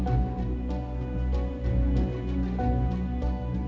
ada yang mengarahkan